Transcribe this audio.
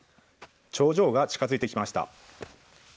頂上が近づいてきました。